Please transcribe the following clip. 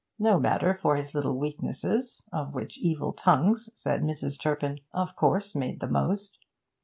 No matter for his little weaknesses of which evil tongues, said Mrs. Turpin, of course made the most.